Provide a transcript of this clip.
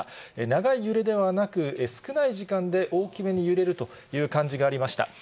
長い揺れではなく、少ない時間で大きめに揺れるという感じがありました。